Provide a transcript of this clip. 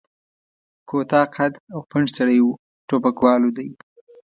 کوتاه قد او پنډ سړی و، ټوپکوالو دی.